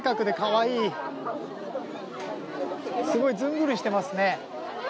すごいずんぐりしてますね。